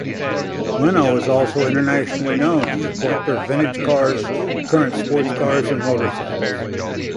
Leno is also internationally known as a collector of vintage cars, current sports cars and motorcycles.